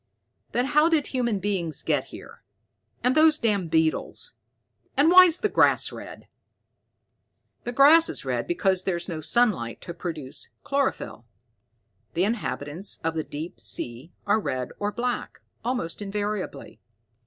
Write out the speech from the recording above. "Then how did human beings get here, and those damn beetles? And why's the grass red?" "The grass is red because there's no sunlight to produce chlorophyll. The inhabitants of the deep sea are red or black, almost invariably.